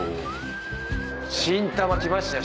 新玉きましたよ